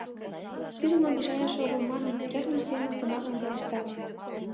Тудым обижаяш огыл манын, кертмыж семын тыматлын пелешта: